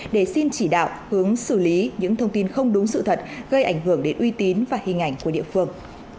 để xin chỉ đạo hướng xử lý những thông tin không đúng sự thật gây ảnh hưởng đến uy tín và hình ảnh của địa phương